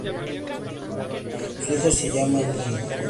Su hijo se llama Nils.